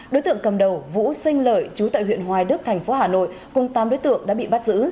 đối tượng cầm đầu vũ sinh lợi chú tại huyện hoài đức thành phố hà nội cùng tám đối tượng đã bị bắt giữ